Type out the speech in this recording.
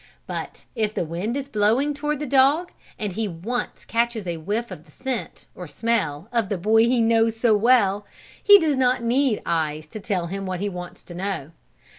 But if the wind is blowing toward the dog, and he once catches a whiff of the scent, or smell, of the boy he knows so well, he does not need eyes to tell him what he wants to know.